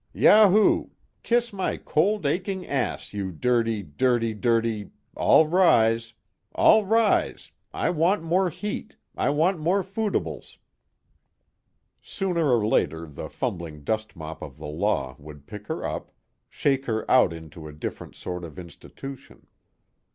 "Ya hoo! Kiss my cold aching ass, you dirty dirty dirty all rise! All rise! I want more heat, I want more foodibles." Sooner or later the fumbling dustmop of the law would pick her up, shake her out into a different sort of institution.